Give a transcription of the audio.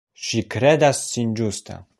Ŝi kredas sin ĝusta.